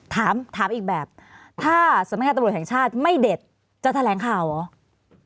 ถามอีกแบบถ้าสำนักงานตำรวจแห่งชาติไม่เด็ดจะแถลงข่าวเหรอ